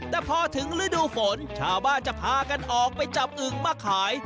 แต่พอถึงฤดูฝนชาวบ้านจะพากันออกไปจับอึงมาขาย